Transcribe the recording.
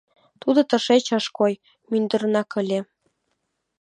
Тудо тышеч ыш кой, мӱндырнак ыле.